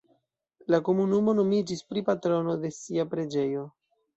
La komunumo nomiĝis pri patrono de sia preĝejo.